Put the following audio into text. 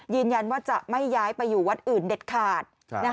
ยืนยันว่าจะไม่ย้ายไปอยู่วัดอื่นเด็ดขาด